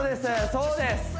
そうです